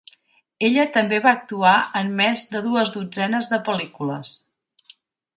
Ella també va actuar en més de dues dotzenes de pel·lícules.